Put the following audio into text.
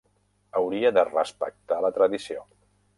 Hauria de respectar la tradició.